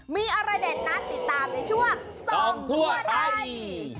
มีอะไรเด็ดนั้นติดตามในช่วงส่องทั่วไทย